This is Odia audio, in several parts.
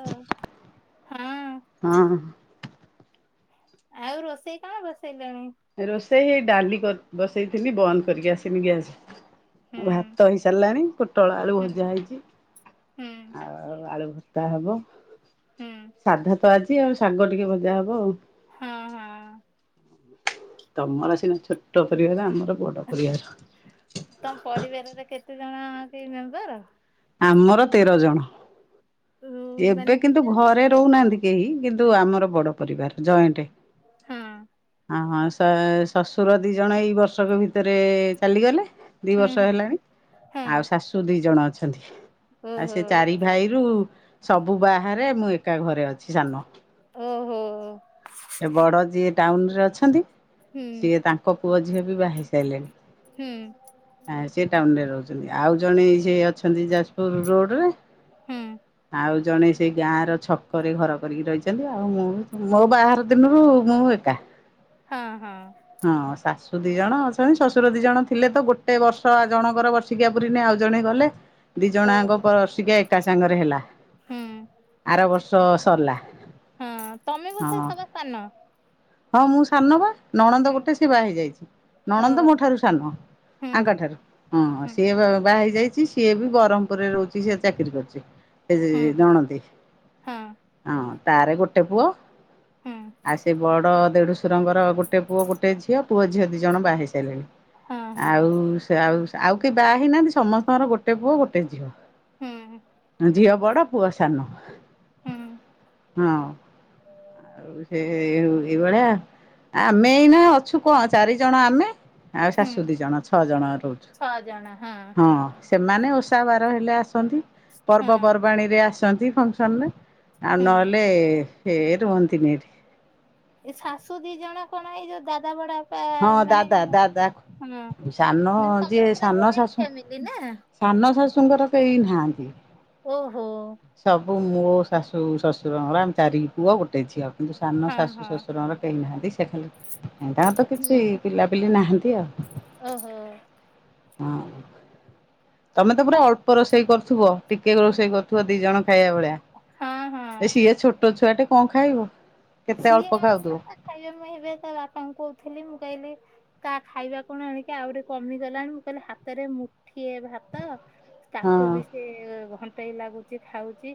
ହଁ ହଁ ଆଉ ରୋଷେଇ କଣ ବସେଇଲେଣି? ରୋଷେଇ ହେଇ ଡାଲି ବସେଇଥିଲି, ବନ୍ଦ କରିକି ଆସିଲୀ ଗ୍ୟାସ। ହୁଁ ଭାତ ହେଇସାରିଲାଣି ପୋଟଳ ବେଳୁ ହୁଁ ଭଜା ହେଇଛି ହୁଁ ଆଉ ଆଉ ଆଳୁ ଭତ୍ତା ହବ ହୁଁ ସାଧା ତ ଆଜି ଆଉ ସାଙ୍ଗ ଟିକେ ମଜା ହବ ଆଉ। ହଁ ହଁ ତମର ସିନା ଛୋଟ ପରିବାର, ଆମର ବଡ ପରିବାର। ତମ ପରିବାରରେ କେତେ ଜଣ ତି ମେମ୍ବର? ଆମର ତେର ଜଣ। ଉଁ, ଏବେ ମାନେ କିନ୍ତୁ କେତେ ଭାଇ ଘରେ କି? ରହୁନାହାନ୍ତି କେହି, କିନ୍ତୁ ହୁଁ, ଆମର ବଡ ପରିବାର ଜଏଣ୍ଟ। ହଁ ହଁ ହଁ ସ ଶ୍ୱଶୁର ଦି ଜଣ ଏଇ ବର୍ଷକ ଭିତରେ ଚାଲିଗଲେ ଦି ହୁଁ ବର୍ଷ ହେଲାଣି। ହୁଁ, ଆଉ ଶାଶୁ ଦୁଇ ଜଣ ଅଛନ୍ତି, ହଁ ଆଉ ଓହୋ ସେ ଚାରି ଭାଇରୁ ସବୁ ବାହାରେ ମୁଁ ଏକା ଘରେ ଅଛି ସାନ। ଓହୋ ଏ ବଡ ଯିଏ ଟାଉନ ରେ ଅଛନ୍ତି। ହୁଁ ସିଏ ତାଙ୍କ ପୁଅ ଝିଅ ବି ବାହିି ସାରିଲେଣି। ହୁଁ ହଁ ସେ ଟାଉନ ରେ ରହୁଛନ୍ତି, ଆଉ ଜଣେ ସେ ଅଛନ୍ତି ଯାଜପୁର ରୋଡ଼ରେ ହୁଁ ଆଉ ଜଣେ ସେ ଗାଁର ଛକରେ ଘର କରିକି ରହିଛନ୍ତି, ଆଉ ମୁଁ ମୋ ବାହାର ଦିନରୁ ମୁଁ ଏକା। ହଁ ହଁ ହଁ ଶାଶୁ ଦି ଜଣ ଅଛନ୍ତି ଶ୍ୱଶୁର ଦି ଜଣ ଥିଲେ ତ ଗୋଟେ ବର୍ଷ ଆ ଜଣଙ୍କର ବର୍ଷ ବାର୍ଷିକୀଆ ପୁରିନି ଆଉ ଜଣେ ଗଲେ, ଦି ଜଣ ଓହୋ ଯାକ ବାର୍ଷିକୀଆ ଏକା ସାଙ୍ଗରେ ହେଲା। ହୁଁ ଆର ବର୍ଷ ସରିଲା ହଁ ତମେ ହଁ ବୋଧେ ସବା ସାନ। ହଁ ମୁଁ ସାନ ବା ନଣନ୍ଦ ହୁଁ ଗୋଟେ ସେ ବାହା ହେଇଯାଇଛି ନଣନ୍ଦ ଓହୋ ମୋ ଠାରୁ ସାନ ହୁଁ ଆଙ୍କଠାରୁ। ହଁ ହୁଁ ସିଏ ବା ହେଇ ଯାଇଛି ସିଏ ବି ବ୍ରହ୍ମପୁରରେ ରହୁଛି ସ ଚାକିରି କରୁଛି। ହୁଁ ଜଣନ୍ତି ହଁ ହଁ ତାର ଗୋଟେ ପୁଅ ହୁଁ ଆ ସେ ବଡ ଦେଢସୁରଙ୍କର ଗୋଟେ ପୁଅ ଗୋଟେ ଝିଅ, ପୁଅ ଝିଅ ଦି ଜଣ ବାହା ସାରିଲେଣି। ହଁ ହଁ ଆଉ ସେ ଆଉ ଆଉ କେହି ବାହା ହେଇନାହାନ୍ତି ସମସ୍ତଙ୍କର ଗୋଟେ ପୁଅ ଗୋଟେ ଝିଅ। ହୁଁ ଜି ଆଉ ବଡ ପୁଅ ସାନ ହୁଁ ହଁ ଆଉ ସେ ଏଇ ହଉ ଏଇ ଭଳିଆ ଆମେ ଏଇନା ଅଛୁ କଣ ଚାରିଜଣ ଆମେ ଆଉ ହୁଁ ଶାଶୁ ଦିଇ ଜଣ ଛଅ ଜଣ ରହୁଛୁ ଛଅ ଜଣ ହଁ ସେମାନେ ଓଷା ବାର ହେଲେ ଆସନ୍ତି, ହଁ ପର୍ବପର୍ବାଣୀରେ ଆସନ୍ତି ଫଙ୍କସନ ରେ। ଆଉ ହୁଁ। ନହେଲେ ହେ ରୁହନ୍ତିନି ଏଠି। ଏ ଶାଶୁ ଦି ଜଣ କଣ ଏଇ ଯୋଉ ଦାଦା ବଡ଼ ବାପା ହଁ ମାନେ। ଦାଦା ଦାଦା ହଁ ସାନ ମ ଯିଏ ତମର ପୁରା ସାନ ଜଏଣ୍ଟ ଶାଶୁ ଫ୍ୟାମିଲି ନା। ସାନ ଶାଶୁଙ୍କର କେହି ନାହାଁନ୍ତି। ଓହୋ। ସବୁ ମୋ ଶାଶୁ ଶ୍ୱଶୁରଙ୍କର, ଆମେ ଚାରି ପୁଅ ଗୋଟେ ଝିଅ। କିନ୍ତୁ ସାନ ହଁ ଶାଶୁ ହଁ। ଶ୍ୱଶୁରଙ୍କର କେହି ନାହାନ୍ତି ସେ ଖାଲି ତାଙ୍କର ତ କିଛି ହୁଁ ପିଲାପିଲି ନାହାନ୍ତି ଆଉ ଓହୋ ହଁ ତମେ ତ ପୁରା ଅଳ୍ପ ରୋଷେଇ କରୁଥିବ ଟିକେ ରୋଷେଇ କରୁଥିବ ଦି ଜଣ ଖାଇବା ଭଳିଆ ହଁ ହଁ। ଏ ସିଏ ଛୋଟ ଛୁଆ ଟେ କଣ ଖାଇବ କେତେ ସିଏ ଅଳ୍ପ ଆଉଲା ଖାଉଥିବ ତା ଖାଇବେ ମୁଁ ହେବେ ତା ବାପାଙ୍କୁ କହୁଥିଲି ମୁଁ କହିଲି ତା ଖାଇବା କଣ ଆଣିକି ଆହୁରି କମିଗଲାଣି ମୁଁ କହିଲି ହାତରେ ମୁଠିଏ ଭାତ ହଁ ତାକୁ ବି ସେ ଘଣ୍ଟେଇ ଲାଗୁଛି ଖାଉଛି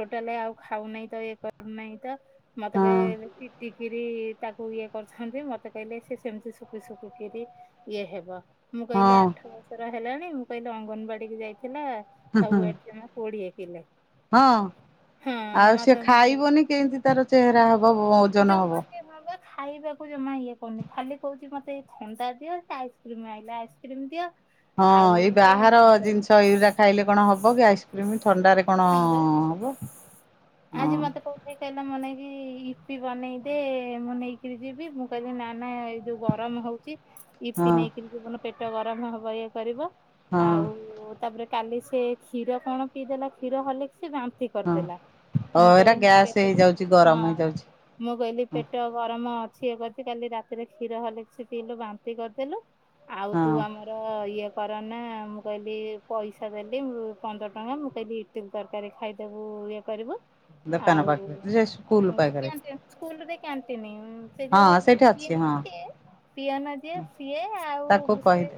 ଟୋଟାଲ ଆଉ ଖାଉ ନାହିଁ ତ ଇଏ କରୁନାହିଁ ତ ହଁ ଇିକି ତାକୁ ଇଏ କରୁଛନ୍ତି ମତେ କହିଲେ ସେ ସେମିତି ଶୁଖି ଶୁଖିକିରି ଇଏ ହେବ ମୁଁ ହଁ କହିଲି ଆଠ ମାସର ହେଲାଣି ମୁଁ କହିଲି ଅଙ୍ଗନବାଡି କି ଯାଇଥିଲା ହୁଁ ହୁଁ ତାବ ଏଠ ଜମା ପୋଡିଏ କିିଲେ ହଁ ଆଉ ସେି ଖାଇବନି କେମିତି ତାର ଚେହେରା ହବ ଓଜନ ହବ ଜମ କେ ବାବ ଖାଇବାକୁ ଜମା ଇଏ କହୁନି ଖାଲି କହୁଛି ମତେଇ ଥଣ୍ଡା ଦିଅ ଆଇସ୍କ୍ରିମ ଆଇା ଆଇସ୍କ୍ରିମ ଦିଅ ହଁ ଆଉ ଏଇ ବାହାର ଏମିତି ସବୁ ଜିନିଷ ୟୁରିା ଖାଇଲେ କଣ ହବ କି ଆଇସ୍କ୍ରିମ ଥଣ୍ଡାରେ କଣ ହଁ ବା। ହବ ହଁ ଆଜି ମତେ କହୁ ସେ କହିଲ ମନ ନେଇକି ଇପି ବନେଇଦେ ମୁଁ ନେଇକିରି ଯିବି ମୁଁ କହିଲି ନା ନା ଏଇ ଯୋଉ ଗରମ ହଉଛି ଇ ହଁ ନେଇକ ମ ପେଟ ଗରମ ହବ ଇଏ କରିବ ହଁ ଆଉ ତାପରେ କାଲି ସେ କ୍ଷୀର କଣ ପିଇଦେଲା କ୍ଷୀର ହେଲେ କି ସେ ବାନ୍ତି ହଁ କରିଦେଲା ଓ ମୁଁ ଏଇଟା କଦ ଗ୍ୟାସ୍ ମାପକ ହେଇଯାଉଛି ହଁ ଗରମ ହେଇଯାଉଛି। ମୁଁ କହିଲି ହଁ ପେଟ ଗରମ ଅଛି ଏ କରିି କାଲି ରାତିରେ କ୍ଷୀର ହେଲେ କିଛି ପିଇଲୁ ବାନ୍ତି କରିଦେଲୁ ଆଉ ତୁ ହଁ ଆମର ଇଏ କରନା ମୁଁ କହିଲି ପଇସା ଦେଲି ପନ୍ଦର ଟଙ୍କା ମୁଁ କହିଲି ତିନ ତରକାରୀ ଖାଇଦବୁ ଇଏ କରିବୁ ଦୋକାନ ଆଉ ପାଖରେ ଯେ ସ୍କୁଲ ପାଖରେ ସ୍କୁଲରେ କ୍ୟାଣ୍ଟିନ ସେ ହଁ ଯୋଉ ସେଇଠି ଅଛି ହଁ। ପିଏଏ ପିଅନ ଯିଏ ସିଏ ତାକୁ ଆଉ ସେଏ କହିଦେ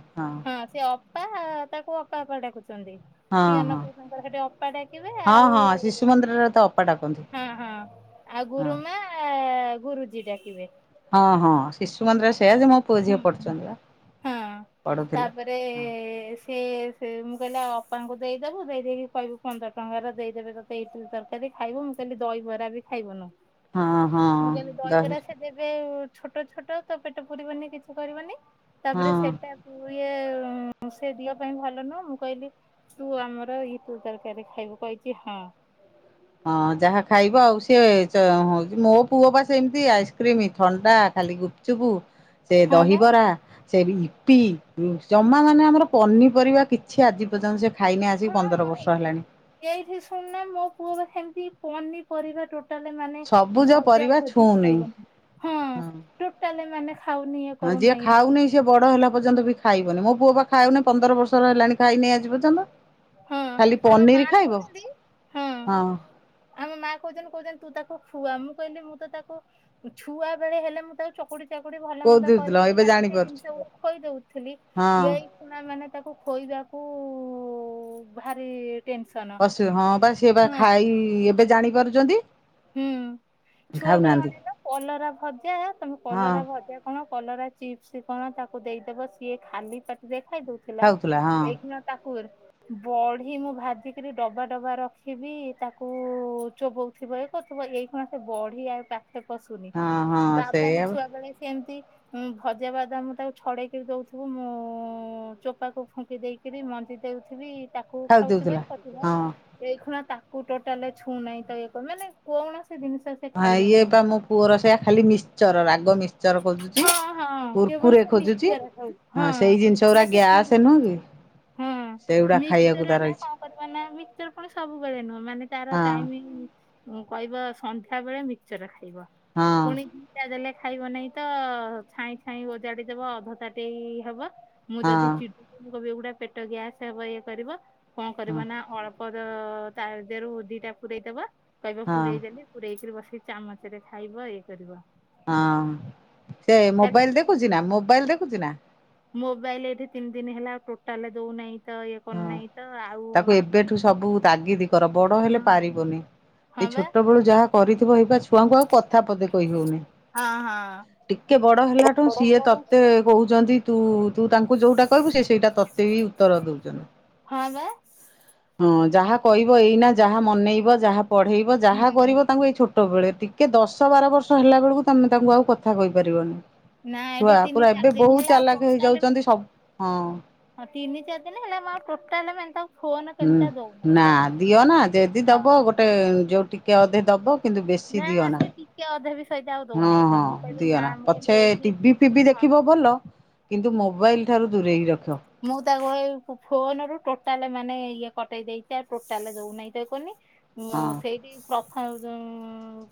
ହଁ ସେ ଅପା ତାକୁ ଅପାପା ଡାକୁଛନ୍ତି ହଁ ହଁ। ପିଅନକୁ ତାଙ୍କର ସେଠି ଅପା ଡାକିବେ ଆଉ ମନ୍ଦିର ତ ଅପ ହଁ ହଁ ଆଉ ଗୁରୁମା ଗୁରୁଜୀ ଡାକିବେ ହଁ ହଁ ଶିଶୁ ମନ୍ଦିର ସେୟା ଯେ ମୋ ପୁଅ ହୁଁ। ଝିଅ ହୁଁ। ପଢ଼ୁଛନ୍ତି ବା ପଢ଼ୁଥିଲେ ରେ ସେି ସେ ମୁଁ କହିଲା ଅପାଙ୍କୁ ଦେଇଦବୁ ଦେଇଦେଇକି କହିବୁ ପନ୍ଦର ଟଙ୍କାର ଦେଇଦେବେ ତ ସେଇଠି ତରକାରୀ ଖାଇବ ମୁଁ ସେଲି ଦହିବରା ବି ଖାଇବନି ହଁ ହଁ ଦାହି ଏବେ ଛୋଟ ଛୋଟ ତ ପେଟ ପୁୁରିବନି କିଛି କରିବନି ତାପରେ ହଁ। ସେଇଟା ତ ଇଏ ସେ ଦିଅ ପାଇଁ ଭଲ ନୁହଁ ମୁଁ କହିଲି ତୁ ଆମର ଇ ତୁ ତରକାରୀ ଖାଇବୁ କହିଛି ହଁ ହଁ ଯାହା ଖାଇବ ଆଉ ସିଏ ହଉଛି ମୋ ପୁଅ ବାସ ଏମିତି ଆଇସ୍କ୍ରିମ୍ ଥଣ୍ଡା ଖାଲି ଗୁ ଚୁବୁ ସେ ହଁ ବା ଦହିବରା ସେ ଇପି ଜମା ମାନେ ଆମର ପନିପରିବା କିଛି ଆଜି ପର୍ଯ୍ୟନ୍ତ ସେ ଖାଇନି ଆଜି ପନ୍ଦର ହଁ ବର୍ଷ ହେଲାଣି ଏଇଠି ଶୁଣୁନା ମୋ ପୁଅ ବା ସେମତି ପନିପରିବା ଟୋ ଟା ମାନେ ସବୁଜ ଭଜା ପରିବା ଭଜି ଛୁଉଁନି। ଖାଇବନି ହଁ ଟୋଟା ମାନେ ଖାଉନି ହଁ ଯିଏ କରୁନାହିଁ ତ ଖାଉନି ସିଏ ବଡ ହେଲା ପର୍ଯ୍ୟନ୍ତ ବି ଖାଇବନି ମୋ ପୁଅ ବା ଖାଉନି ପନ୍ଦର ବର୍ଷର ହେଲାଣି ଖାଇନି ଆଜି ପର୍ଯ୍ୟନ୍ତ ହଁ ଖାଲି ଆମ ପନିର ମା ଖାଇବ କହୁଛନ୍ତି ହଁ ଆମ ମା କହୁଛନ୍ତି କହୁଛନ୍ତି ତୁ ତାକୁ ଖୁଆ ମୁଁ କହିଲି ମୁଁ ତ ତାକୁ ଛୁଆ ବେଳେ ହେଲେ ମୁଁ ତାକୁ ଚକୁଡି ତାକୁ ଭଲ କୋଉ ମନ୍ଦ ଦଉଥିଲ କରିକରି ଏବେ ମାନେ ସେଇ ଜାଣିପାରୁଛି ଜିନିଷ ଖୋଇ ଦଉଥିଲି। ହଁ ଏଇ ପଣା ମାନେ ତାକୁ ଖୋଇବାକୁ ଭାରି ଟେ ଅସ ହଁ ବା ସେ ବା ଖାଇ ଏବେ ଜାଣି ପାରୁଛନ୍ତି। ହୁଁ ଛୁଆ ବେଳେ ଅନେଇଲ କଲରା ଭଜା ତମେ ହଁ। କଲରା ଭଜା କଣ କଲରା ଚିପ୍ସ କଣ ତାକୁ ଦେଇଦବ ସିଏ ଖାଲି ପାଟି ଦେଖାଇ ଦଉଛି। ଥିଲା ଖାଉଥିଲା ହଁ ଏଇକ ନ ତାକୁ ବଢି ମୁଁ ଭାଜିକରି ଡବା ଡବା ରଖିବି ତାକୁ ଚୋବଉ ଥିବ କରୁଥିବ ଏଇ କଣ ସେ ବଢି ଆଉ ପାଖେ ପଶୁନି ହଁ ହଁ ବାଦାମ ସେଇଆ ଛୁଆ ବେଳେ କେମିତି? ଉଁ ଭଜା ବାଦାମ ତାକୁ ଛଡେଇକି ଦଉଥିବୁ ମୁଁ ଚୋପାକୁ ଫୁଙ୍କି ଦେଇକି। ରି ମଞ୍ଜି ଦେଉଥିବି। ତାକୁ ଖାଉ ଖାଉଥିବ ଦଉଥିଲା କ ହଁ ଏଇ ଖ ତାକୁ ଟୋଟାଲଛୁଁ ନାହିଁ ତ। ସେମାନେ କୌଣସି ଜିନିଷ। ସେ ହଁ ଇଏ ଖାଇବାକୁ ବା ମୋ ପୁଅର ସେଇଆ ଖାଲି ମିଶ୍ଚର। ରାଗ ମିଶ ଆଚାର ଖୋଜୁଛି ହଁ ହଁ କେବଳ କୁର୍କୁରେ ସେ ଖୋଜୁଛି। ମିକ୍ସଚର ଖାଉଛି ହଁ ସେଇ ଜିନିଷ ନା ଗୁଡା ସେ ଗ୍ୟାସ ନୁହେଁ କି? ହଁ ସେଇଗୁଡା ଖାଇବାକୁ ମିଶ୍ଚର ତାର ଟା ଇଚ୍ଛା କଣ କରିବା ନା ମିଶ୍ଚର ପୁଣି ସବୁବେଳେ ନୁହଁ ମାନେ ତାର ହଁ ଟାଇମିଗ୍। କହିବ ସନ୍ଧ୍ୟା ବେଳେ ମିକ୍ସଚର ଖାଇବ ହଁ ପୁଣି ଦଟା ଦେଲେ ଖାଇବ ନାଇଁ। ତ ଛାଇଁ ଛାଇଁ ଓଜାଡିଦବ ଅଧ ତାଟି ହବ ମୁଁ ଯଦି ହଁ ଚି କୋବି ଏଗୁଡା ପେଟ ଗ୍ୟାସ୍ ହେବ ଇଏ କରିବ କଣ ହଁ କରିବ ନା ଅଳ୍ପ ପର ଦେହରୁ ଦିଟା ପୁରେଇ ଦବ କହିବ ହଁ ପୁରେଇ ଦେଲି। ପୁରେଇକିରି ବସିକି ଚାମଚ ରେ ଖାଇବ ଇଏ କରିବ। ହଁ ସେ କାଲି ମୋବାଇଲ ଯୋଉ ଦେଖୁଛି ନା ମୋବାଇଲ ଦେଖୁଛି ନା? ମୋବାଇଲ ଏଠି ତିନି ଦିନ ହେଲାଉ ଟୋଟାଲ ଦଉନାହିଁ। ତ ଇଏ କରୁନାହିଁ ତ ଆଉ ମାଗୁନି। ଦାଗିଦି କର ବଡ ହେଲେ ହଁ ପାରିବନି ହଁ ଏଇ ବା ଛୋଟ ବେଳୁ ଯାହା କରିଥିବ। ଏଇ ଛୁଆଙ୍କୁ ଆଉ କଥା ପତେ କହିହଉନି ହଁ ହଁ। ଟିକେ ବଡ ହେଲାଠୁ ବଡ ସିଏ ହେଲାଠୁ ତତେ କହୁଛନ୍ତି ତୁ ତୁ ତାଙ୍କୁ ଯୋଉଟା କହିବୁ ସେ ସେଇଟା ତତେ ବି ଉତ୍ତର ଦଉଛନ୍ତି। ହଁ ବା। ହଁ ଯାହା କହିବ ଏଇନା ଯାହା ମନେଇବ ଯାହା ପଢେଇବ ଯାହା କରିବ। ତାଙ୍କୁ ଏଇ ଛୋଟ ବେଳେ ଟିକେ ଦଶ ବାର ବର୍ଷ ହେଲା ବେଳକୁ ତମେ ତାଙ୍କୁ ଆଉ କଥା କହିପାରିବନି। ନା ଏଠି ଛୁଆ ତିନି ପୁରା ଚାରି ଏବେ ଦିନ ବହୁତ ହେଲା ଆଉ ଚାଲାକ ଟୋଟାଲ ମୁଁ ହେଇଯାଉଛନ୍ତି ସବୁ ହଁ। ହଁ ତିନି ଚାରି ଦିନ ହେଲା ଆ ପ୍ରୋଟା ହେଲା ମନ୍ତା ହୁଁ ନା ଦିଅ ନା ଯଦି ହଁ ଦବ ଗୋଟେ ଯୋଉ ଟିକେ ଅଧେ ଦବ। କିନ୍ତୁ ବେଶୀ ଦିଅ ନା ସେ ଟିକେ ଅଧେ ବି ସହିତ ଆଉ ହଁ ଦଉନାହିଁ ହଁ ତ ମୁଁ କହିଲି ଦିଅ ନା ମୁଁ ପଛେ କହିଲି ଏଇଠି ଟିଭି ଟିଭି ଦେଖିବ ଭଲ କିନ୍ତୁ ମୋବାଇଲ ଠାରୁ ଦୂରେଇକି ରଖ। ମୁଁ ତାକୁ ଫୋନ ରୁ ଟୋଟାଲ ମାନେ ଇଏ କଟେଇ ଦେଇେଇଛି ଆଉ ଟୋଟାଲ ଦଉନାହିଁ ତ କହୁନି। ଉଁ ହଁ ସେଇଠି ପ୍ରଥମ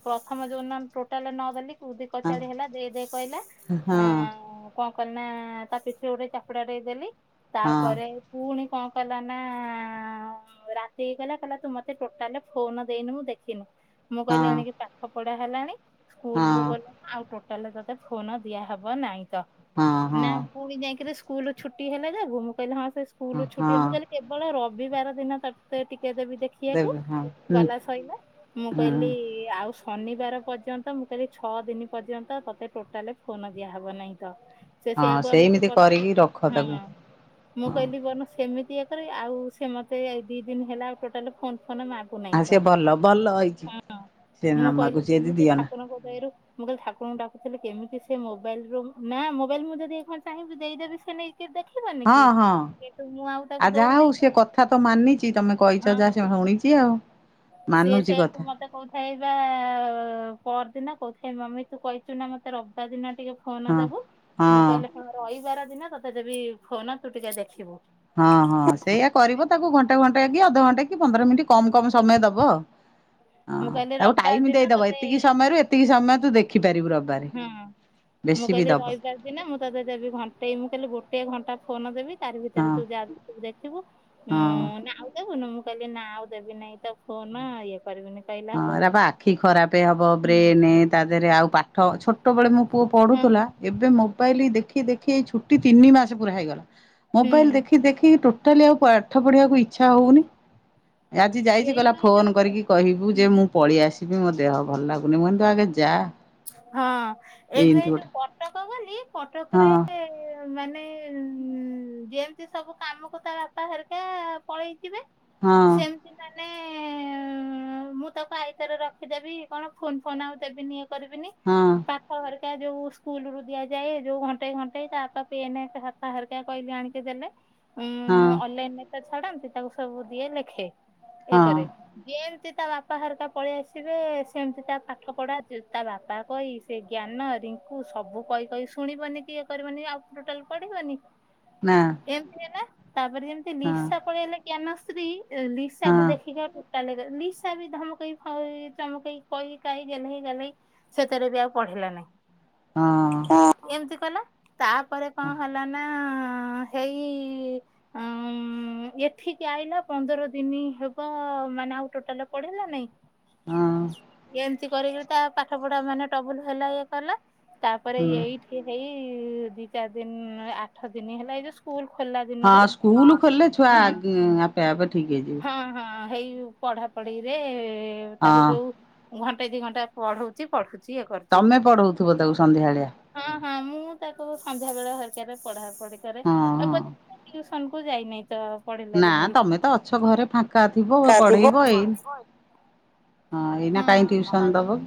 ପ୍ରଥମ ଯୋଉନା ଟୋଟାଲ ନ ଗଲି। ସୁଦି ହଁ। କଚାଡି ହେଲା ଦେଇ ଦେଇ କହିଲା। ଆ ହଁ କଣ କଲିନା ତା ପିଠରେ ଗୋଟେ ଚାପୁଡା ଦେଇ ଦେଲି ହଁ ତାପରେ ପୁଣି କଣ କଲା ନା ରାତି ହେଇଗଲେ କହିଲା ତୁ ମତେ ଟୋଟାଲି ଫୋନ ଦେଇନୁ ମୁ ଦେଖିନି। ମୁଁ ହଁ କହିଲିଣି କି ପାଠ ପଢା ହେଲାଣି ସ୍କୁଲ ହଁ ବୁ ଗଲାଣି ଆଉ ଟୋଟାଲୀ ତତେ ଫୋନ୍ ଦିଆ ହବ ନାଇଁ ତ ହଁ ନା ହଁ ପୁଣି ଯାଇକିରି ସ୍କୁଲ ଛୁ ଛୁଟି ହେଲେ ଯୁ ମୁଁ କହିଲି ହଁ ସେ ସ୍କୁଲୁ ଛୁଟି ହଁ ମୁଁ କହିଲି କେବ ରବିବାର ଦିନ ତତେ ଟିକେ ଦେବି ଦେଖି କିଏ ଆକୁ ଦେବେ ହଁ ହୁଁ ଗଲା ସୋଇଲା। ମୁଁ ହୁଁ କହିଲିଆଉ ଶନିବାର ପର୍ଯ୍ୟନ୍ତ ମୁଁ କାଲି ଛଅ ଦିନ ପର୍ଯ୍ୟନ୍ତ ତତେ ଟୋଟାଲ ଫୋନ ଦିଆହବ ନାହିଁ ତ। ସେ ହଁ ସେଆକୁ ଆ ମତେ ସେଇମିତି କରିକି ପଚାରୁଛି ରଖ ତାକୁ ହଁ। ମୁଁ ହଁ କହିଲି ବଣ ସେମିତି ୟରେ ଆଉ ସେ ମତେ ଦି ଦିନ ହେଲା ଆଉ ଟୋଟାଲ ଫୋନ ଫୋନ ମା ଆ ଆସୁନାଇତା ସିଏ ଭଲ ଭଲ ହେଇଛି ହଁ ସେ ମୁଁ ମାମାକୁ କହିଲି ସିଏ ଯଦି କେମିତି ଦିଅନା ଠାକୁରଙ୍କ ଦହରୁ ମୁଁ କାଲି ଠାରଙ୍କୁଡାକୁଥିଲ କେମିତି ସେ ମୋବାଇଲ ର ନା ମୋବାଇଲ ମୁଁ ଯଦି ଏ କଣ ଚାହିଁବି ଦେଇଦବି ସେ ନେଇ ହଁ ହଁ ଆଉ ତାକୁ ଆ ଯାହା ଦଉନାହିଁ ହଉ ତ ସେ କଥା ତ ମାନିଛି ତମେ କହିଛ ଯାହା ଶୁଣି ଦିଅ ସେ ସେ କୁମାର ମତେ କୋଉଥାଇ ବା ପରଦିନ କୋଉଥାଇ ମମେ ତୁ କହିଛୁ ନା ମତେ ରବିବାାର ଦିନ ଟିକେ ଫୋନ ହଁ ଦେବୁ ମୁଁ ହଁ କହିଲେ ରହିବାର ଦିନ ତୋତେ ଯବି ଫୋନ ତୁ ଟିକେ ଦେଖିବୁ ହଁ ହଁ ସେଇଆ କରିବ ତାକୁ ଘଣ୍ଟେ ଘଣ୍ଟେ କି ଅଧଘଣ୍ଟା କି ପନ୍ଦର ମିନିଟ୍ କମ କମ ସମୟ ଦବ ମୁଁ କହିଲି ତାକୁ ରବିବାର ଟାଇମ ଦିନ ଦେଇଦବ ତତେ ଏତିକି ସମୟରୁ ଏତିକି ସମୟ ତୁ ଦେଖିପାରିବୁ ରବି ହଁ ମୁଁ କିଲ ରାଇିବାର ଦିନେ ମୁଁ ତୋତେ ଦେବି ଘଣ୍ଟେଇ ମୁଁ କହିଲଲି ଗୋଟେ ଘଣ୍ଟା ଫୋନ ଦେବି ତାରି ଭିତରେ ହଁ ତୁ ଦେଖିବୁ ହଁ ହୁଁ ନାଉ ଦେବୁନୁ ମୁଁ କହିଲି ନା ଆଉ ଦେବି ନାଇଁ ତ ଫୋନ ଇଏ କରିବିନି କହିଲା ହଉ। ହଁପ ଆଖି ଖରାପ ହବ ହୁଁ ବ୍ରେନ ତା ଦେହରେ ଆଉ ପାଠ ଛୋଟବେେଳେ ମୁଁ ପୁଅ ହଁ ପଢୁଥିଲା ଏବେ ମୋବାଇଲ ଦେଖି ଦେଖି ଏଇ ଛୁଟି ତିନି ମାସ ପୁରା ହେଇଗଲା ହୁଁ ମୋବାଇଲ ଦେଖି ଦେଖିକି ଟୋଟାଲି ଆଉ ପାଠ ପଢିବାକୁ ଇଚ୍ଛା ହଉନି ଆଜି ଯାଇଛି ଗଲା ଏଇଥିପାଇଁ ଫୋନ ଯୋଉ କରିକି କହିବୁ ଯେ ହୁଁ ମୁଁ ପଳେଇ ଆସିବି ମୋ ଦେହ ଭଲ ଲାଗୁନି ମୁଁନ୍ତୁ ଆଗେ ଯା ହଁ ଏଇଠୁ ଏମିତି ଏଇ ଯୋଉ ଗୋଟେ କଟକ ଗଲି କଟକରେ ହଁ ମାନେ ଉ ଯେମିତି ସବୁ କାମକୁ ତା ବାପା ହେରିକା ପଳେଇ ଯିବେ ହଁ ସେମିତି ତାାନେଲେ ମୁଁ ତାକୁ ଆଇତରେ ରଖିଦେବି କଣ ଫୋନ ଫୋନ ଆଉ ଦେବିନି କରିବିନି ହଁ ପାଖ ଘରେ ଯୋଉ ସ୍କୁଲ ରୁ ଦିଆଯାଏ ଯୋଉ ଘଣ୍ଟେଇ ଘଣ୍ଟେଇ ତା ବାପ ପିନେତା ହରକା କହିଲେ ଆଣିକି ଦେଲେ ହଁ ମୁଁ ଅନଲାଇନରେ ତ ଛାଡାନ୍ତି ତାକୁ ସବୁ ଦିଏ ଲେଖେ ଇଏ ହଁ କରେ ଯେମତି ତା ବାପା ହରକା ପଳେଇ ଆସିବେ ସେମିତି ତା ପାଠ ପଢା ତା ବାପା କହି ସେ ଜ୍ଞାନ ରିଙ୍କୁ ସବୁ କହି କହି ଶୁଣିବନି କି ଇଏ କରିବନି ଆଉ ଟୋଟାଲ ପଢେଇିବନି ନା ଏମିତି ହେଲା ତାପରେ ଯେମିତି ହଁ ଲିସା ପଳେଇଲେ ଜ୍ଞାନଶ୍ରୀ ଲିସାକୁ ହଁ ଦେଖିକି ତା ଲିସା ବି ଧମକେଇ ଚମକେଇ କହି କଲେ ସେଥିରେ ବି ଆଉ ପଢିଲା ହଁ ନାହିଁ ଏମତି କଲା ତାପରେ କଣ ହେଲା ନା ହେଇ ଆ ଏଠିକି ଆଇଲା ପନ୍ଦର ଦିନ ହବ ମାନେ ଆଉ ଟୋଟାଲ ପଢିଲା ନାଇଁ ହଁ ଏମିତି କରିକରି ତା ପାଠ ପଢା ମାନେ ଟବୁଲ ହେଲା ଇଏ କଲା ତାପରେ ଏଇଠି ହେଇ ଦି ଚାରି ଦିନ ଆଠ ଦିନ ହେଲା ଏଇ ଯଉ ସ୍କୁଲ ଖୋଲା ହଁ ଦିନରୁ ସ୍କୁଲ ଖୋଲେ ଛୁଆ ହୁଁ ଆପେପେ ଠିକ ହେଇଯିବେ ହଁ ହଁ ହେଇ ପଢାପଢିରେ ତାକୁ ହଁ। ଯୋଉ ଘଣ୍ଟା ଦି ଘଣ୍ଟା ପଢଉଛି ପଠୁଛି ଇଏ କରୁଛି ତମେ ପଢଉଥିବ ତାକୁ ସନ୍ଧ୍ୟାବେଳିଆ ହଁ ହଁ ମୁଁ ତାକୁ ସନ୍ଧ୍ୟା ବେଳେ ହରିକରେ ପଢା ପଢି ହଁ ହଁ କରେପ କୁ ଯାଇନି ତ ପଢିଲା ନା ଦିନରୁ ତମେ ତ ଅଛ ଘରେ ଫାଙ୍କା ଥିବ କା ଥିବ ପଢେଇବ ଏଇ ହଁ ଏଇନା କହିଁ ହଁ ଟିଉସନ ଦବ?